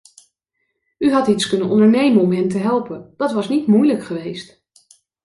U had iets kunnen ondernemen om hen te helpen, dat was niet moeilijk geweest.